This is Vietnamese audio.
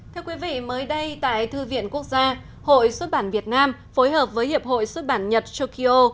thưa quý vị mới đây tại thư viện quốc gia hội xuất bản việt nam phối hợp với hiệp hội xuất bản nhật chokio